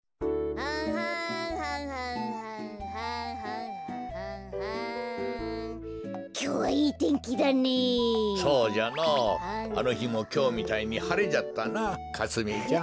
あのひもきょうみたいにはれじゃったなかすみちゃん。